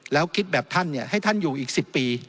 แล้วคิดแบบท่านให้ท่านอยู่อีก๑๐ปี